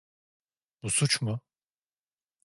Bu suç mu?